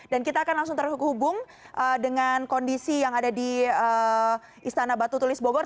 dan kita akan langsung terhubung dengan kondisi yang ada di istana batu tulis bobor